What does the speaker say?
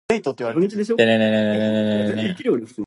It was an early predecessor to "Remote Desktop" software.